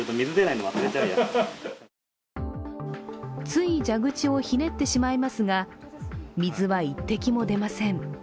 つい蛇口をひねってしまいますが水は一滴も出ません。